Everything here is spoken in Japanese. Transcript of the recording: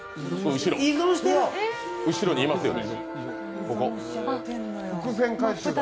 後ろにいますよね。